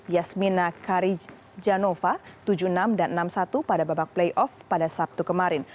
yasmina karijanova tujuh puluh enam dan enam puluh satu pada babak playoff pada sabtu kemarin